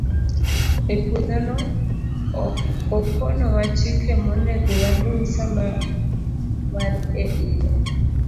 E puodhono, okonowa chike monego waluw sama wan e iye.